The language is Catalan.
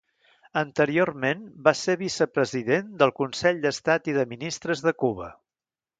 Anteriorment va ser Vicepresident del Consell d'Estat i de Ministres de Cuba.